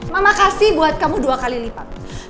mama kasih buat kamu dua kali lipat